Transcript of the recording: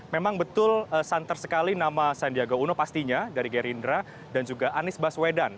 memang betul santer sekali nama sandiaga uno pastinya dari gerindra dan juga anies baswedan